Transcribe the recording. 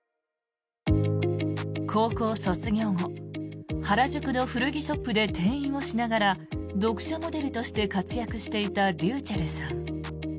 高校卒業後原宿の古着ショップで店員をしながら読者モデルとして活躍していたｒｙｕｃｈｅｌｌさん。